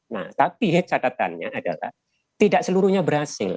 nah tapi head catatannya adalah tidak seluruhnya berhasil